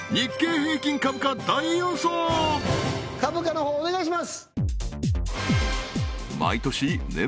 株価のほうお願いします！